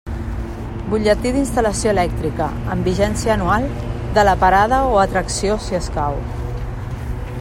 Butlletí d'instal·lació elèctrica, amb vigència anual, de la parada o atracció, si escau.